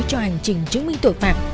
cho hành trình chứng minh tội phạm